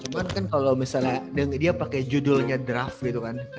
cuman kan kalau misalnya dia pakai judulnya draft gitu kan